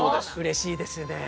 うれしいですね。